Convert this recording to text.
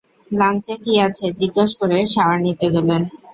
লাঞ্চে কি আছে জিজ্ঞেস করে শাওয়ার নিতে গেলেন।